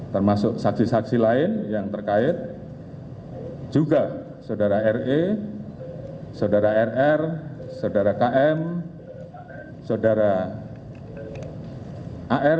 termasuk saksi saksi lain yang terkait juga saudara re saudara rr saudara km saudara ar